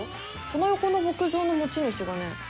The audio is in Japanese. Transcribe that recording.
その横の牧場の持ち主がね